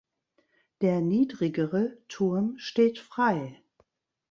Der niedrigere Turm steht frei.